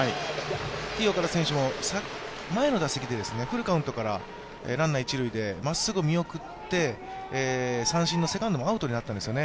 Ｔ−岡田選手もフルカウントからランナー一塁でまっすぐ見送って、三振のセカンドもアウトになったんですね。